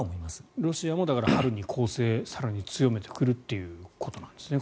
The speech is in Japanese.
ロシアも春に攻勢を更に強めてくるということなんですね。